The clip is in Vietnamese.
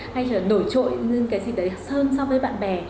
hay là nổi trội những cái gì đấy hơn so với bạn bè